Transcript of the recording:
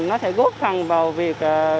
nó sẽ góp phòng vào việc